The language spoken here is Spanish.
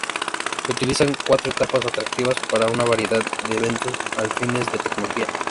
Se utilizan cuatro etapas atractivas para una variedad de eventos afines de tecnología.